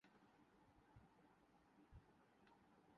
یہ ان کی عطا ہے جو اس سیاسی بندوبست کے خالق ہیں۔